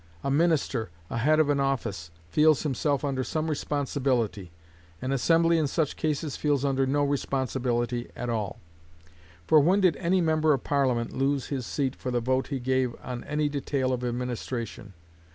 A minister, a head of an office, feels himself under some responsibility. An assembly in such cases feels under no responsibility at all; for when did any member of Parliament lose his seat for the vote he gave on any detail of administration?